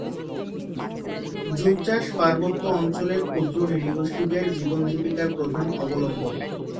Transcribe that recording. Zoom চাষ পার্বত্য অঞ্চলের ক্ষুদ্র-নৃগোষ্ঠীদের জীবন জীবিকার প্রধান অবলম্বন।